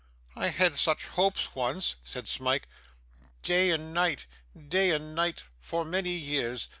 'I had such hopes once,' said Smike; 'day and night, day and night, for many years.